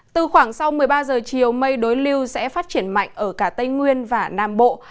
sau một mươi ba h chiều mây đối lưu sẽ phát triển mạnh ở cả tây nguyên và nam bộ